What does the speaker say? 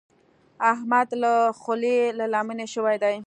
احمد له خولې له لمنې شوی دی.